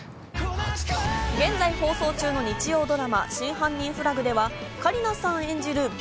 現在放送中の日曜ドラマ『真犯人フラグ』では香里奈さん演じる